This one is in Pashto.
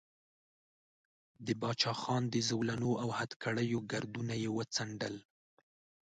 د باچا خان د زولنو او هتکړیو ګردونه یې وڅنډل.